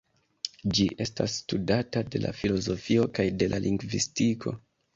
Ĝi estas studata de la filozofio kaj de la lingvistiko.